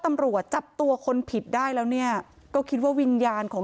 ตำรวจจับตัวคนผิดได้แล้วเนี่ยก็คิดว่าวิญญาณของ